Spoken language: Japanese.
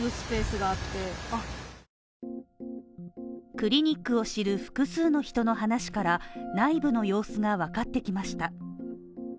クリニックを知る複数の人の話から、内部の様子がわかってきました